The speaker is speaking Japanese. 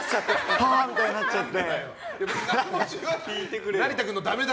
はぁみたいになっちゃって。